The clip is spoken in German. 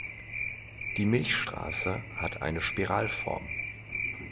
Die Milchstraße hat eine Spiralform.